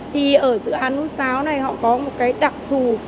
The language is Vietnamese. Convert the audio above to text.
thì ở dự án núi pháo này họ có một cái đặc thù